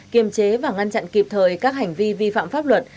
kiềm chế và ngăn chặn kịp thời các hành vi vi phạm pháp luật